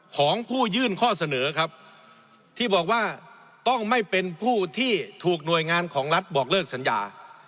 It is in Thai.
ของผู้ยื่นข้อเสนอครับที่บอกว่าต้องไม่เป็นผู้ที่ถูกหน่วยงานของรัฐบอกเลิกสัญญา